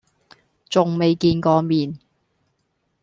仲未見過面